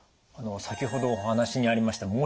先ほどお話にありました